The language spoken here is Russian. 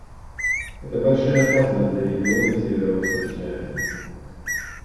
Это большая опасность для региона Северо-Восточной Азии.